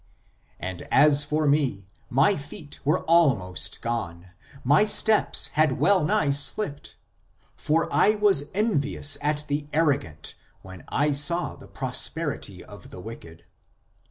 And f as for me, my feet were almost gone, My steps had well nigh slipped ; For I was envious at the arrogant, When I saw the prosperity of the wicked.